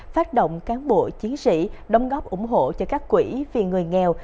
phát động cán bộ chiến sĩ đóng góp ủng hộ cho các quỹ vì người nghèo